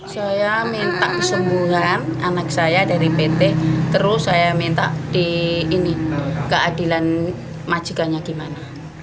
saya minta kesembuhan anak saya dari pt terus saya minta di ini keadilan majikannya gimana